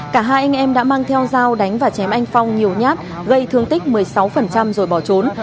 cả hai anh em đã mang theo dao đánh và chém anh phong nhiều nhát gây thương tích một mươi sáu rồi bỏ trốn